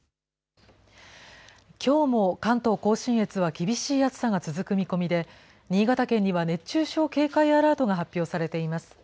きょうも関東甲信越は厳しい暑さが続く見込みで、新潟県には熱中症警戒アラートが発表されています。